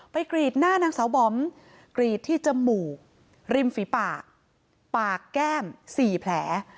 กรีดหน้านางสาวบอมกรีดที่จมูกริมฝีปากปากแก้ม๔แผล